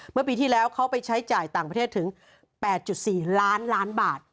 เมื่อปีที่แล้วเขาไปใช้จ่ายต่างประเทศถึง๘๔ล้านล้านบาท